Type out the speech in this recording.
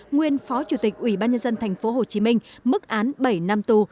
nguyên phó chủ tịch ubnd tp hcm mức án bảy năm tù